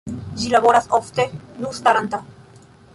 Ĝi laboras ofte nu staranta.